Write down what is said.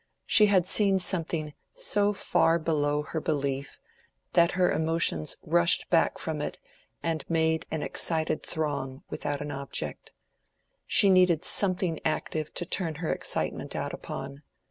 She had seen something so far below her belief, that her emotions rushed back from it and made an excited throng without an object. She needed something active to turn her excitement out upon.